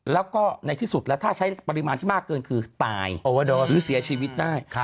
แล้วก็ในที่สุดแล้วถ้าใช้ปริมาณที่มากเกินคือตายหรือเสียชีวิตได้